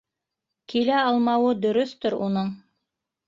- Килә алмауы дөрөҫтөр уның.